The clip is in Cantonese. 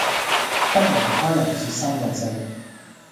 不容他人說三道四